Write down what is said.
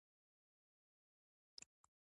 لمسی د نیکه پاچا دی.